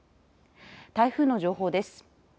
台風の情報です。